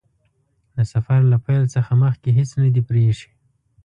د سفر له پیل څخه مخکې هیڅ نه دي پرې ايښي.